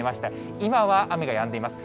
今は雨がやんでいます。